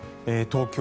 東京